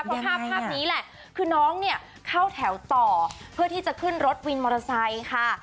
เพราะภาพภาพนี้แหละคือน้องเนี่ยเข้าแถวต่อเพื่อที่จะขึ้นรถวินมอเตอร์ไซค์ค่ะ